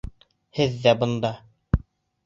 Һеҙ ҙә бында!